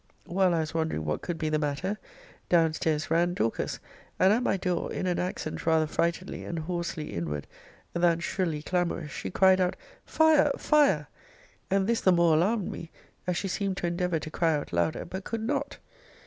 While I was wondering what could be the matter, down stairs ran Dorcas, and at my door, in an accent rather frightedly and hoarsely inward than shrilly clamorous, she cried out Fire! Fire! And this the more alarmed me, as she seemed to endeavour to cry out louder, but could not.